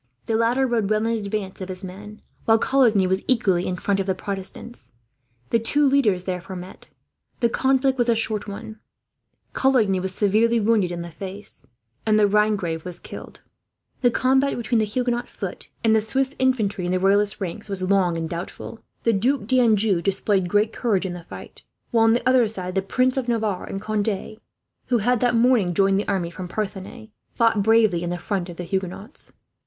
The latter rode well in advance of his men, while Coligny was equally in front of the Protestants. The two leaders therefore met. The conflict was a short one. Coligny was severely wounded in the face, and the Rhinegrave was killed. While the cavalry on both sides fought desperately for victory, the infantry was speedily engaged. The combat between the Huguenot foot, and the Swiss infantry in the Royalist ranks, was long and doubtful. The Duc d'Anjou displayed great courage in the fight; while on the other side the Princes of Navarre and Conde, who had that morning joined the army from Parthenay, fought bravely in the front of the Huguenots.